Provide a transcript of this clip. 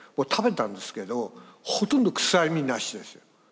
食べたんですけどほとんど臭みなしですよ。